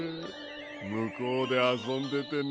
むこうであそんでてね。